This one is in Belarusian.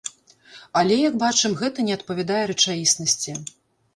Але, як бачым, гэта не адпавядае рэчаіснасці.